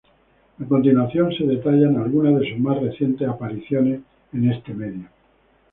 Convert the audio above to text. A continuación, se detallan algunas de sus más recientes apariciones en este medio.